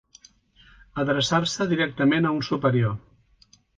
Adreçar-se directament a un superior.